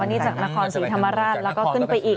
อ๋ออันนี้จากนครสีธรรมาศแล้วก็ขึ้นไปอีก